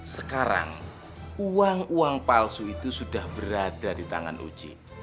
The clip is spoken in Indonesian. sekarang uang uang palsu itu sudah berada di tangan oj